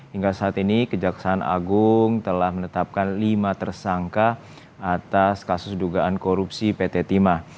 hingga saat ini kejaksaan agung telah menetapkan lima tersangka atas kasus dugaan korupsi pt timah